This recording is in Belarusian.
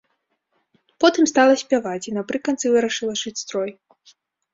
Потым стала спяваць, і напрыканцы вырашыла шыць строй.